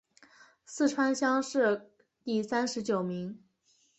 四川乡试第三十九名。